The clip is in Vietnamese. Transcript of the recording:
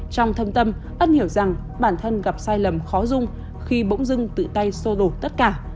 trong thâm tâm ân hiểu rằng bản thân gặp sai lầm khó rung khi bỗng dưng tự tay sô đổ tất cả